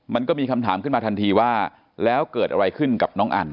มันก็มีคำถามขึ้นมาทันทีว่าแล้วเกิดอะไรขึ้นกับน้องอัน